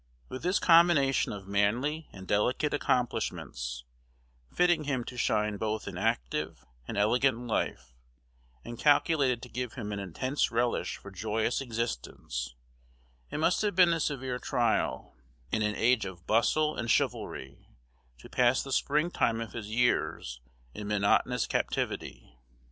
With this combination of manly and delicate accomplishments, fitting him to shine both in active and elegant life, and calculated to give him an intense relish for joyous existence, it must have been a severe trial, in an age of bustle and chivalry, to pass the spring time of his years in monotonous captivity.